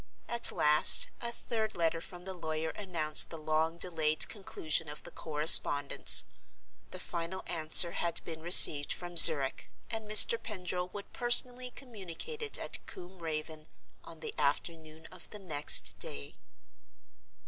At last, a third letter from the lawyer announced the long delayed conclusion of the correspondence. The final answer had been received from Zurich, and Mr. Pendril would personally communicate it at Combe Raven on the afternoon of the next day.